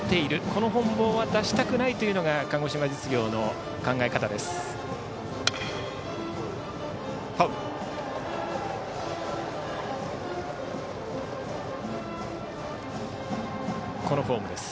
この本坊は出したくないというのが鹿児島実業の考え方です。